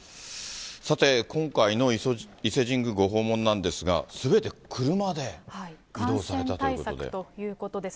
さて、今回の伊勢神宮ご訪問なんですが、すべて車で移動されたということで。